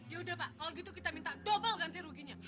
yaudah pak kalau gitu kita minta dobel ganti ruginya